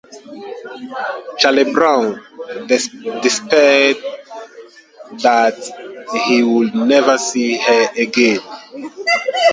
Charlie Brown despaired that he would never see her again.